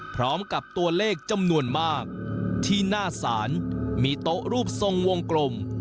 พร้อมกับตัวเลขจำนวนมากที่หน้าศาลมีโต๊ะรูปทรงวงกลม